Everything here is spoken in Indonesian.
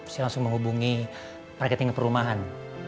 saya langsung menghubungi marketing perumahan